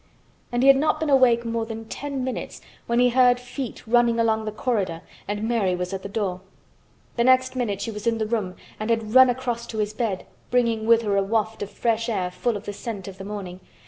And he had not been awake more than ten minutes when he heard feet running along the corridor and Mary was at the door. The next minute she was in the room and had run across to his bed, bringing with her a waft of fresh air full of the scent of the morning.